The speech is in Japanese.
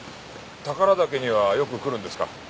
宝良岳にはよく来るんですか？